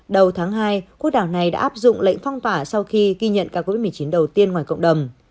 đầu tháng hai quốc đảo này đã áp dụng lệnh phong tỏa sau khi ghi nhận ca covid một mươi chín đầu tiên ngoài cộng đồng